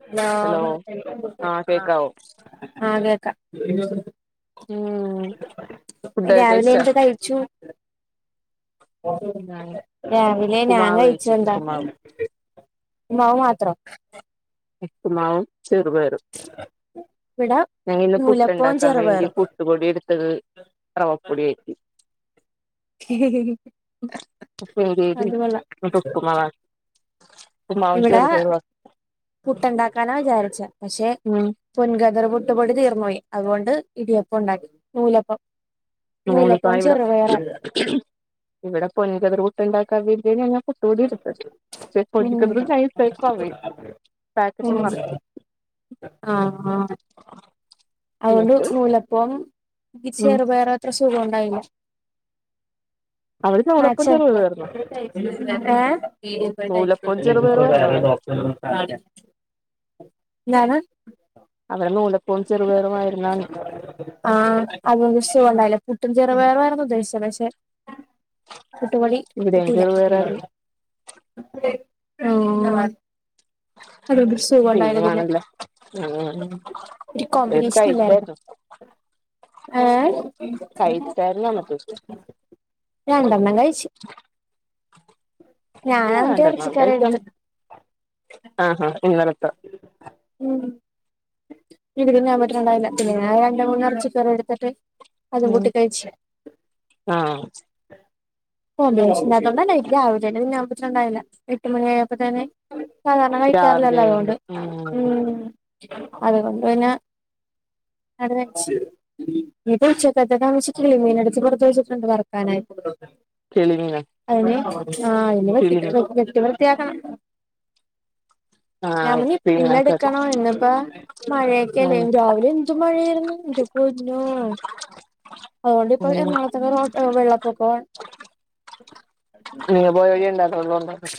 [unintelligible] Hello ആഹ് കേക്കാവോ ഉം ഫുഡൊക്കെ രാവിലെ കഴിച്ചോ എന്ത്‌ കഴിച്ചു? ഞാൻ രാവിലെ ഞാൻ ഉപ്പുമാവ് കഴിച്ച കഴിച്ചു എന്താ ഉപ്പുമാവ് പ്പുമ്മാവ് മാത്രം ഇപ്പുമാവും, ചെറുപയറും. ഇവിടെ ഞങ്ങിന്ന് നൂലപ്പവും പുട്ട്ണ്ടാക്കാൻ വേണ്ടി ചെറുപയറും പുട്ട്പൊടി എടുത്തത് റവപ്പൊടി ആയി അത് കൊള്ളാം [unintelligible] ഉപ്പുമാവും ഇവിടെ ചെറുപയറും ആക്കി പുട്ടുണ്ടാക്കാനാ വിചാരിച്ചേ പക്ഷെ ഉം പൊൻകതിർ പൊ പൊടി തീർന്നപോയി അതുകൊണ്ട് ഇടിയപ്പം ഉണ്ടാക്കി നൂലപ്പം നൂലപ്പവും ചെറുപയറാ [unintelligible] ഉം [unintelligible] [unintelligible] ആഹ ആഹ അതുകൊണ്ട് എന്നിട്ട് നൂലപ്പം ഈ ചെ ഉം റുപയറെത്ര സുഖം ഉണ്ടായില്ല അതെ നൂലപ്പവും [unintelligible] ചെറുപയറും ആയിരുന്നോ അവിടെ [unintelligible] അവടെ നൂല [unintelligible] പുട്ടും, ചെറുപയറും ആയിരുന്നു ഉദ്ദേശിച്ചെ പക്ഷെ പുട്ടുപൊടി ഇവിടെയും കിട്ടീല ചെറുപയറായിരുന്നു ഓഓ [unintelligible] ഒരു [unintelligible] ഏഹ് കഴിച്ചായിരുന്നു എന്നിട്ട് രണ്ടണ്ണം കഴിച്ചു ഞാന അവന്റെ വേണ്ടെന്നാ ഇറച്ചിക്കറി എടുത്തു ആഹ് ഹഹ ഇന്നലത്ത ഉം ഇീവിട ഞാൻ പറ്റുണ്ടാവില്ല പിന്നെ ഞൻ രണ്ട മൂന്ന ഇറച്ചി കറി എടുത്തിട്ട് അതും ഉ കൂട്ടി കഴിച്ച് ആഹ കോ വിശപ്പില്ലാത്തോണ്ടെന്നേ ഇ ആവട്ട ഞാൻവെച്ച് ഉണ്ടായില്ല എട്ട് മണി ആയപ്പോ തന്നെ സാധാരണ രാവിലെ കഴിക്കാറില്ലല്ലോ ഉണ്ട് അതുകൊണ്ട് ഉം മ് അതുകൊണ്ട് പിന്നെ [inaudible] കറിവെച്ച് ഉച്ചക്കത്തെ താമിച്ചിട്ടളിമീന എടുത്ത് പുറത്ത വെച്ചിട്ടുണ്ട് വറക്കാനായിട്ട് കരിമീനോ ആഹ് ഒന്ന് വെട്ടി വെട്ടി വൃത്തിയാക്കണം ആഹ് ഞമ്മന് ഐസ്ക്രീമാക്കത് പിന്നെടുക്കണോ ഇന്നിപ്പ മഴയൊക്കെല്ലേ ഉം രാവിലെ എന്ന്ത് മഴായിരുന്നു പൊന്നോ അതുകൊണ്ടിപ്പൊ ഉം എറണാകുത്തക റോട്ട വെള്ളപ്പൊക്ക നിങ്ങ പോയി വടിയണ്ടാക്കാക്കള്ളണ്ട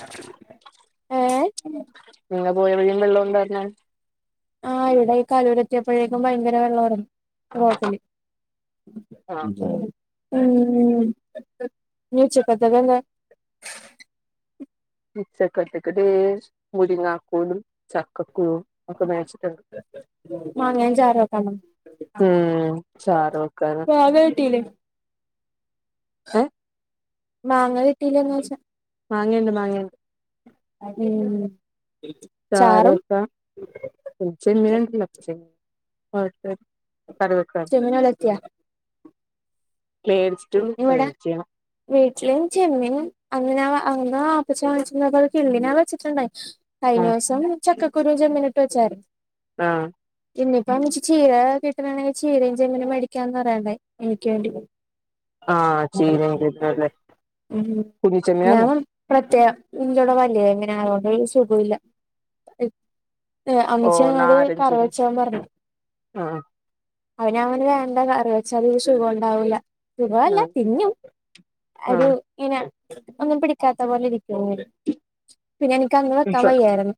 ഏഹ അങ്ങെ പോയവിഴും വെള്ളോന്തഞ്ഞാ ആ ഇവിടെ ഈ കലൂരത്തിയപ്പോഴേക്കും ഭയങ്കര വെള്ളംറഞ്ഞു [inaudible] ആഹ് ഉം ഉം ഉച്ചക്കത്തതെന്ന ചച്ചക്കട്ടക്കട്ട മുരിങ്ങാക്കോലും ചക്കക്കുരു ഒക്കെ മേടിച്ചിട്ടുണ്ട് മാങ്ങൻ ചാറക്കാണോ ഉം ചാറ് വെക്കാന് മാങ്ങാകിട്ടില്ലേ ഏഹ് മാങ്ങ കിട്ടീല്ലന്ന് വച്ചാ മാങ്ങണ്ട് മാങ്ങണ്ട് അതെ ചാറു വെക്കാം [unintelligible] ചെമീനൊലത്തിയ മേടിച്ചിട്ടും അതും ഇവിടെ ചെയ്യണം വീട്ടിലും ചെമ്മീനും അങ്ങനെ വ [unintelligible] കിള്ളി മീനെ വെച്ചിട്ടുണ്ടായി ആ കഴിഞ്ഞ ദിവസം ചക്ക കുരും ചെമിനിട്ട് വെച്ചാർന്ന് ആഹ് ഇന്നയിപ്പ ചീര കിട്ടണണെങ്കിൽ ചീരയും ചെമ്മീനും മെടിക്കാന്ന് പറയണ്ടായി എനിക്ക് വേണ്ടി ആഹ് ചീര [unintelligible] ഉം ഞാൻ പ്രത്യേക [unintelligible] വലിയ ചെമീനാ അതോണ്ടൊരു സുഖ പോയില്ല ഓ അമ്മച്ചി എന്നോട് നാരഞ്ചെമ്മീൻ കറിവെച്ചാൻ പറഞ്ഞു ആ അപ്പോ ഞാൻ പറഞ്ഞ് വേണ്ട കറി വെച്ചാൽ സുഖം ഉണ്ടാവൂല്ല സുഖല്ല ആ തിന്നും ആ ഒരു ഇങ്ങനെ ഒന്നും പിടിക്കാത്ത പോലെ ഇരിക്ക പിന്നെ എനിക്ക് അന്ന് വെക്കാൻ വയ്യായിരുന്നു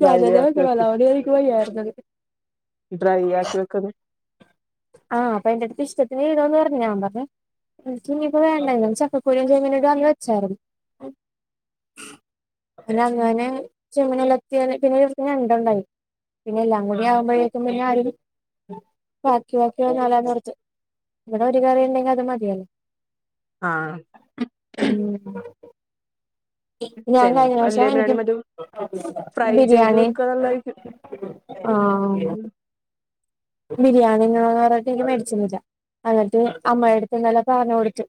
ഡ്രൈ ഞാൻതന്നെ ആക്കി വെക്കണം വെക്ക് അതോണ്ട് എനിക്ക് വയ്യായിരുന്ന് ഡ്രൈ ആക്കി വെക്കു ആഹ് അപ്പ എന്റെ അടുത്ത് ഇഷ്ടത്തിന് ചെയ്തോന് പറഞ്ഞ് ഞാൻ പറഞ്ഞു എനക്ക് ഇനിയിപ്പോ വേണ്ട ചക്കക്കുരുവും ചെമീനും കറിവെച്ചായിരുന്നു [inaudible] അങ്ങനെ ചെമ്മനല്ലെർത്തി പിന്നെ ഞണ്ട് ഉണ്ടായി പിന്നെ മുടി ആവുമ്പോഴേക്കും പിന്നെ [inaudible] ബാക്കി ആക്കിയ [unintelligible] ഇവിടെ ഒരു കറി ഉണ്ടെങ്കിൽ അത് മതി ആഹ ഞാൻ കഴിഞ്ഞ വലിയ പ്രാവശ്യം ബിരിയാണി എനിക്കും മറ്റേ ഫ്രൈ ചെയ്ത് ബിരിയാണി വെക്കുക നല്ലതായിരിക്കും ആ [inaudible] ബിരിയാണിന്ന് പറഞ്ഞട്ട് മേടിച്ചുന്നില്ല എന്നിട്ട് അമ്മായിറ്റടുത്തു പറഞ്ഞ് കൊടുത്തു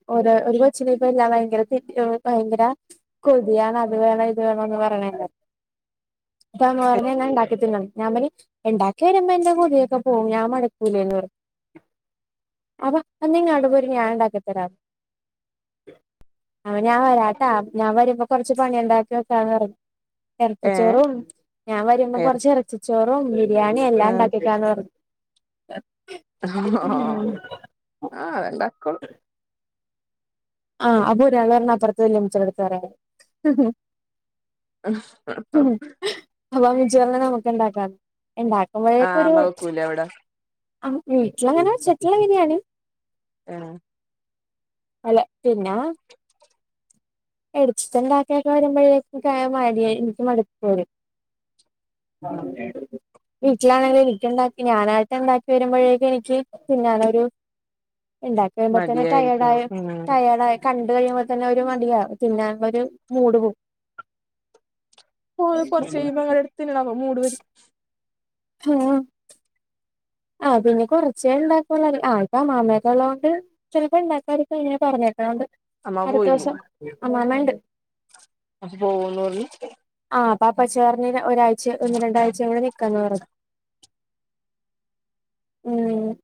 ഒരു കൊച്ചിനപ്പല്ല ഭയങ്കര ഭയങ്കര കൊതിയൻ അത് വേണം ഇത് വേണന്ന് പറയാണേക്ക ഉ ഇതാന്ന് പറഞ്ഞ ഞാൻ ഉണ്ടാക്കിതിന്നാ ഇണ്ടാക്കി വരുമ്പോ എന്റെ കൂതി യൊക്കെ പോവും ഞാൻ മടുക്കൂലേന്ന് അ അ അ എന്നാ ഇങ്ങാട് പോരെ ഞാനി ണ്ടാക്കി തരാ അവൻ ഞാൻ വരാട്ടാ ഞാൻ വരുമ്പോ കൊറച്ച് പണി ഉണ്ടാക്കി വക്കാന്ന് ഏ എറച്ചിച്ചോറും ഞാൻ വരുമ്പോ എറ കൊറച്ച് ഇറച്ചിച്ചോറും ബിരിയാണിയും ആ എല്ലാം ഉണ്ടാക്കിക്കാന്ന് പറഞ്ഞു ആ ആ അതെല്ല ഇണ്ടാക്കിക്കോളു ആ അപ്പൊരാൾ പറഞ് അപ്പുറത്ത് വല്മിചിടെടുത്ത് പറയാൻ ആ ആ ആ അപ്പമെച്ചി പറഞ് നമക്ക് ഉണ്ടാക്കാ ആ ഉണ്ടാക്കുമ്പോഴേക്ക ഒരു അമ്മ വെക്കൂലേ അവിടെ വീട്ടിൽസങ്ങനെ വെച്ചിട്ടല ബിരിയാണി ആ അല്ല പിന്നെ എടിത്തിണ്ടാക്കിയൊക്കെ വരുമ്പോഴേക്കും ഇങ്ക് മടിയ എനിക്ക് മടപ്പ് വെരും [inaudible] ആ വീട്ടിലാണെങ്കിൽ എനിട്ടുണ്ടാക്കി ഞാനായിട്ട് ഉണ്ടാക്കി വരുമ്പോഴേക്ക എനിക്ക് തിന്നാനൊരു ഉണ്ടാക്കിയുമ്പോ തന്നെ മടിയായിരിക്കും ടായെടായി ഉം ടയേഡായി കഴിയുമ്പോ തന്നെ ഒരു മടിയ തിന്നാനൊരു മൂട് പോകും പോ കൊറച്ചഴിയുമ്പോ ഇങ്ങൾ എടുത്തിന്നണം മൂട് വരുമ്പോ ആ ആ പിന്നെ കുറച്ച ഉണ്ടാക്കള്ള ആൾക്ക അമാമക്കെ ഉള്ളതത് കൊണ്ട് ചിലപ്പോ ഉണ്ടാക്കാരിക്ക ഇങ്ങനെ പറഞ്ഞേക്കൊണ്ട് അമ്മ അടുത്ത പോയില്ല ദിവസം ആമാമഇണ്ട് അപ്പൊ പോവന്നൂള്ളൂ ആ അപ്പ ഇപ്പച്ചി ഒരാഴ്ച ഒന്ന് രണ്ടാഴ്ചകൂടെ നിക്കാന്ന് പറഞ് ഉം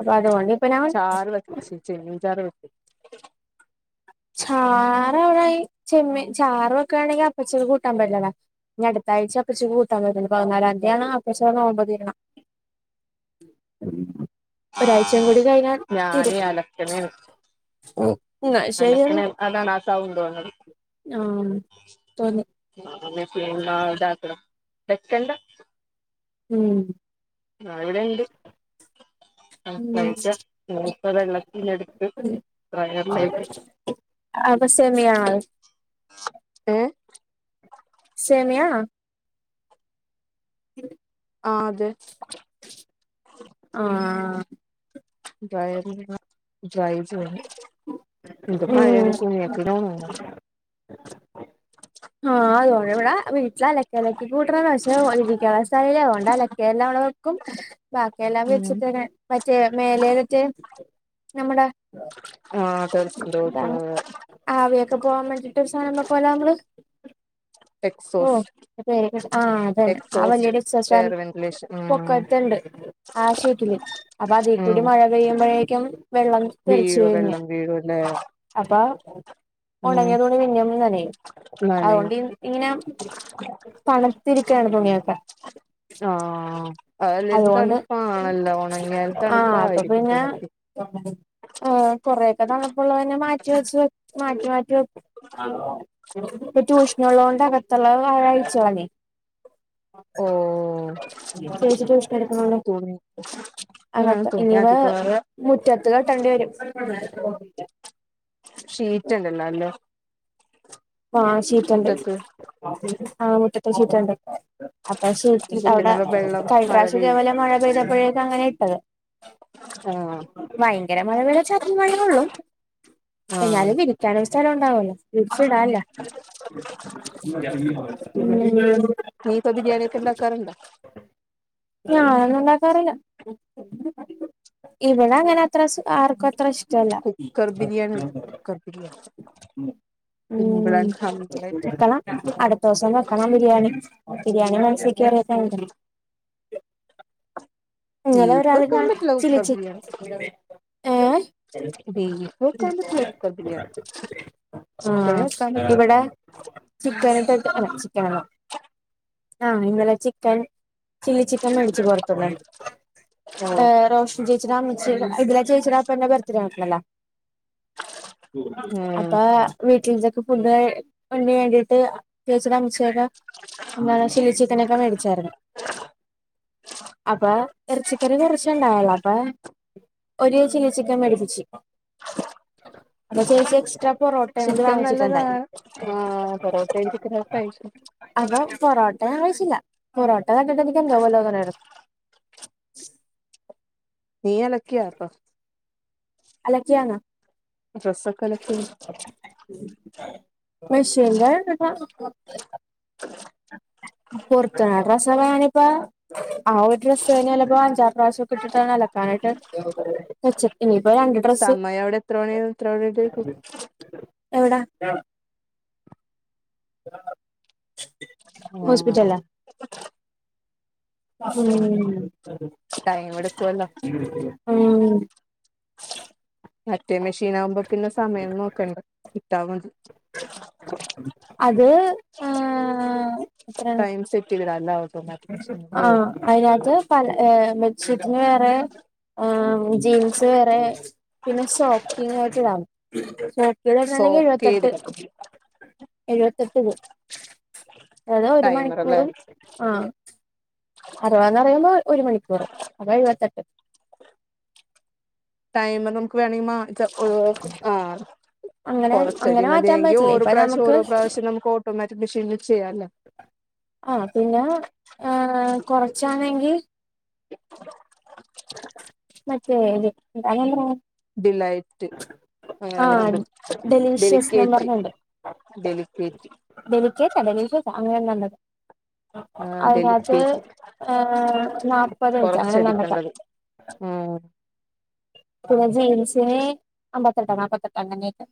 അതല്ലെ വേണ്ടിയെ ചാറു വെക്കും ചെമ്മീൻ ചാർ ചാറ അടെ ചെമ്മ ചാറൊക്കെ ആണെങ്കിൽ അപ്പച്ചത് കൂട്ടാൻ പറ്റില്ലട ഞ അടുത്താഴ്ച അപ്പച്ചു കൂട്ടാൻ വരണ്ട് പതിനാലാംതിയതിയാണ് അപ്പചീടെ നോമമ്പോതിരണേ [inaudible] ഒരാഴ്ചയും കൂടി കഴിഞ്ഞാൽ ഞാന് തീരും അളക്കലെന് എന്നാ ശരിയെന്ന് അങ്ങനെ അതാണ് ആ സൗണ്ട് വന്നത് ആഹ് തോന്നി [unintelligible] ഉം ആ ഞാവിടെണ്ട് ആ ഉം കഴക്ക നപ്പ വെള്ളത്തിനടുത്ത് ട്രയറിലേക്ക് അത് സെമിയാണ് ഏ സേമിയാണാ ഉ ആ അതെ ആ ട്രായറിന് ടൈം എന്ത്‌ ഉം മഴആണ് തുണിയൊക്കെ എങ്ങനെയാ ഉണങ്ങാ ആഹ അതോണവിട ഇത് അലക്കലക്കി കൂട്ടണതാ പക്ഷെ വിരിക്കാനും സ്ഥലല്ല അത്കൊണ്ട് അലക്കി എല്ലാം അവിടെ വെക്കും ബാക്കിയെല്ലാം ഉം [unintelligible] മറ്റേ മേലയിലത്തെ നമ്മുടെ ആഹ എതാണ് ആവിയൊക്കെ പോവാൻ മേണ്ടിട്ട് ഒരു സാനം വെക്കല്ലോമ്മള് ഓ എക്സോസ് അതെ ആഹ് അതന്നെ ആ എക്സോസ്റ്റ് വകയില് എയർ വെന്റിലേഷൻ ഉം പൊക്കത്തണ്ട് ആശയത്തില് അപ്പൊ അതേ കൂടി ഉം മഴ പെയ്യുമ്പോഴേക്കും വെള്ളം തെറച്ചു വീഴാണെയാ പിന്നെ അപ്പൊ ഒണങ്ങിയതുണി പിന്നയും നനയും നനയും അകൊണ്ട് ഇങ്ങനെ തണത്തിരിക്കയാണ് തുണിയൊക്കെ ആഹ് അല്ലേലും അതുകൊണ്ട് തണുപ്പാണല്ലോ ഉണങ്ങിയാൽ ആ അപ്പൊ തണുപ്പായിരിക്കും പിന്നേ തുണിക്ക് ആ കൊറെയൊക്കെ തണപ്പുള്ളതിന്നെ മാറ്റി വെച്ച മാറ്റി മാറ്റി വെക്കും ഇപ്പൊ ട്യൂഷന് ഉള്ളത്കൊണ്ട് അകത്തുള്ളത് [unintelligible] ആഴിച്ച് കളഞ്ഞു ഓഹ് ചേച്ചി ട്യൂഷൻ എടുക്കണോണ്ട് തുണി ആഹ് അകത്ത് തുണി ഇനിവ അധികവായ മുറ്റത്ത് കെട്ടേണ്ടി വരും ഷീറ്റ് ഇടണല്ലോ ആ ഷീറ്റുണ്ട് ആഹ മുറ്റത്തെ ഷീറ്റുണ്ട് [unintelligible] അപ്പൊ അപ്പൊ പിന്നെ അവിടെ വെള്ളം കഴിഞ്ഞ മഴ പ്രാവശ്യം പെയ്യൂല ഇതേപോലെ മഴ പെയ്തപ്പോഴ്ക്ക അങ്ങനെയാ ഇട്ടത് [unintelligible] ഭയങ്കര [unintelligible] ആഹ് എന്നാലും വിരിക്കാന [unintelligible] ഉണ്ടാവല്ലോ വിരിച്ചീടാല്ലോ നീ ഇപ്പൊ ബിരിയാണി ഒക്കെ ഇണ്ടാക്കാറുണ്ടോ ഞാനൊന്നും ഉണ്ടാകാറില്ല ഇവിടെ അങ്ങനെ അത്ര ആർക്കും അത്ര ഇഷ് ട്ടല്ല കുക്കർ ബിരിയാണി ഉണ്ടോ കുക്കർ ബിരിയാണി സിമ്പിൾ ഉം ആൻഡ് ഹമ്പിൾ ആയിട്ട് വെക്കണം അടുത്ത ദിവസം വെക്കണം ബിരിയാണി ബിരിയാണി മനസിൽ കേറിട്ടോണ്ട് അങ്ങനെ ബീഫ് ഒരാള് വെക്കാൻ ഞാൻ പറ്റില്ല കുക്കർ ബിരിയാണി ഏ ബീഫ് വെക്കാൻ പറ്റില്ല കുക്കർ ബിരിയാണി ചിക്കനെ ആ വെക്കാൻ പറ്റു ഇവിടെ ചിക്കന് ആഹ് ഇന്നലെ ചിക്കൻ ചില്ലി ചിക്കൻ മേടിച്ച് കൊടുത്തു [unintelligible] ഏ ഓഹ് റോഷൻ ചേച്ചിടാമ്മചിടെ ഇന്നലെ ചേച്ചിടാ അപ്പന്റെ ബർത്ത്ഡേ ആയിരുന്നല്ലോ ഉം അപ്പൊ വീട്ടില് ഇതൊക്കെ ഫുഡ് വേണ്ടിട്ട് ചേച്ചിടെ അമ്മച്ചി ച്ചില്ലി ചിക്കനൊക്കെ മേടിച്ചാരുന്നു അപ്പൊ എറച്ചിക്കറി കുറച്ചുണ്ടാവല്ലോ അപ്പൊ ഒരു ചില്ലി ചിക്കൻ മേടിപ്പിച്ചു അപ്പൊ ചേച്ചി എക്സ്ട്രാ പൊറോട്ടയും കൂടി ചിക്കൻ വാങ്ങിച്ചിട്ടുണ്ടായി നല്ലതാണ് ആ പൊറോട്ടയും ചിക്കനൊക്കെ കഴു അപ്പൊ പൊറോട്ടേ ആവശ്യല്ല പൊറോട്ട കണ്ടിട്ട് എനിക്ക് എന്തോ പോലെ തോന്നേണെ ആണ് [unintelligible] നീ ലക്കിയാപ്പ അലക്കിയാന ഡ്രസ്സ്‌ മെഷീനില് അലക്ക പൊറത്തടനാ ഡ്രസ്സയാണിപ്പാ ആ ഒരു ഡ്രസ്സ് കഴിഞ്ഞാല് ച്ചെലപ്പോ അഞ്ചാറ് പ്രാവശ്യംക്കെ ഇട്ടിട്ടാണ് അലക്കാനായിട്ട് വെച്ചക്കന് സമയം എവിടെ എത്രണി ആവും എത്രണി തൊട്ടേയിരിക്കും എവിടാ ആഹ് ഹോസ്പിറ്റലിലാ ഉം ടൈം എടുക്കുവല്ലോ ഉം മറ്റേ മെഷീൻ ആകുമ്പോ പിന്നെ സമയം നോക്കണ്ട ഇട്ടാ മതി അത് ആഹ് എത്രയാണ് ടൈം സെറ്റ് ചെയ്തിടാ അല്ല ഓട്ടോമാറ്റിക് ആ മെഷീനില് അയിനാത്ത് പല ബെഡ്ഷീറ്റ്ന് വേറെ ജീൻസ് വേറെ പിന്നെ സോക്കിങ് ആയിട്ട് ഇതാണ് [unintelligible] സോക്ക് എഴുവത്തെട്ട് ചെയ്തിടണം എഴുവത്തെട്ട് പോം ഏതാ ഒരു ടൈമർ അല്ലേ മണിക്കൂറ് ആ അറുവാന്നറയുമ്പോ ഒരു മണിക്കൂറ്, അപ്പൊ എഴുവത്തെട്ട്. ടൈമ് നമ്മക്ക് വേണെങ്കിൽ മാറ്റ ഒഴിവാക്ക ആ. അങ്ങനെ അങ്ങനെ മാറ്റാൻ കൊറച്ചടിമതിയെങ്കീ പറ്റില്ല ഓരോ ഇപ്പൊ പ്രാവ്ശ്യം നമുക്ക് ഓരോ പ്രാവ്ശ്യം നമ്മക്ക് ഓട്ടോമാറ്റിക് മെഷീൻല് ആ പിന്നെ ഏ കുറച്ചാണെങ്കീ മറ്റേ [inaudible] ഡിലൈറ്റ് ആ അങ്ങനെന്തോ ഡെലീഷ്യസ്ന്നും ഡെലിക്കേറ്റ്. പറഞ്ഞുണ്ട് ഡെലിക്കേറ്റ്. [unintelligible] [unintelligible] [unintelligible] ആഹ് അതിനാത്ത് ഡെലിക്കേറ്റ് ഏ നാപ്പത് ഇഞ്ച് അങ്ങനെന്താ [unintelligible] ഏ. പിന്നെ ജീൻസിന് അമ്പത്തെട്ടാ നാപ്പത്തെട്ടാ അങ്ങനേക്കെ.